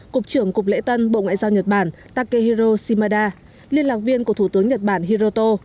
cục trưởng cục lễ tân bộ ngoại giao nhật bản takehiroshimada liên lạc viên của thủ tướng nhật bản hiroto